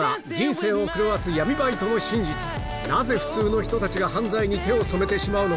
なぜ普通の人たちが犯罪に手を染めてしまうのか